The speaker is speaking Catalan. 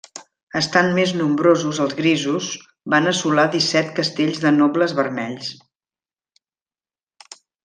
Estant més nombrosos els grisos van assolar disset castells dels nobles vermells.